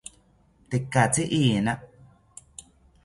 Tekatzi iina